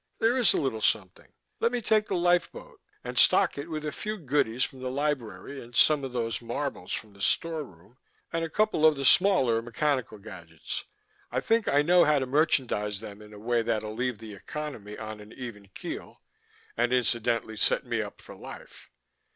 "There is a little something. Let me take the lifeboat, and stock it with a few goodies from the library, and some of those marbles from the storeroom, and a couple of the smaller mechanical gadgets. I think I know how to merchandise them in a way that'll leave the economy on an even keel and incidentally set me up for life.